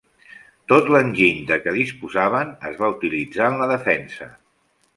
Tot l'enginy de què disposaven es va utilitzar en la defensa.